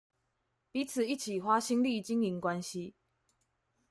彼此一起花心力經營關係